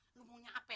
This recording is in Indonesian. lu mau nyampe